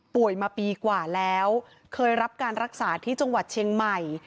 มาปีกว่าแล้วเคยรับการรักษาที่จังหวัดเชียงใหม่